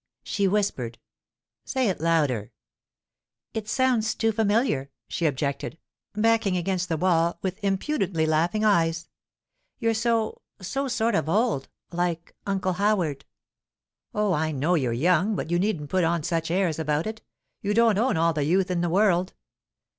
She whispered. 'Say it louder.' 'It sounds too familiar,' she objected, backing against the wall with impudently laughing eyes. 'You're so—so sort of old—like Uncle Howard.' 'Oh, I know you're young, but you needn't put on such airs about it. You don't own all the youth in the world.